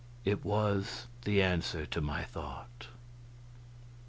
It was the answer to my thought.